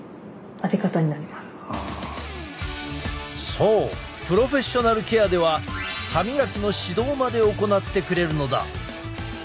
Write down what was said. そうプロフェッショナルケアでは歯みがきの指導まで行ってくれるのだ。